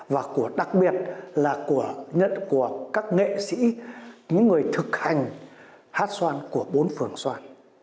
và đặc biệt là của các nghệ sĩ những người thực hành hát soan của bốn phường soan